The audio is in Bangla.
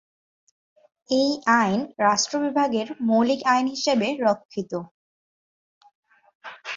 এই আইন রাষ্ট্র বিভাগের মৌলিক আইন হিসেবে রক্ষিত।